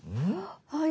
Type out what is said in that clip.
はい。